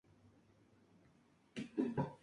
Es la primera película que ha dirigido Harrelson.